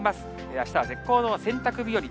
あしたは絶好の洗濯日和。